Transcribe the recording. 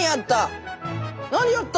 何やった？